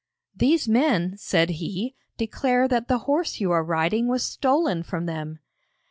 'These men,' said he, 'declare that the horse you are riding was stolen from them.'